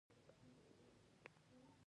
دا ټول هغه سانسکریت نومونه دي،